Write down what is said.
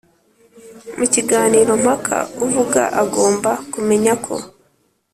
Mu kiganiro mpaka uvuga agomba kumenya ko